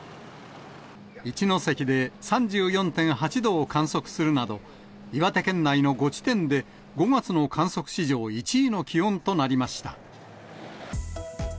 一関で３４．８度を観測するなど、岩手県内の５地点で５月の観測史上１位の気温となりました。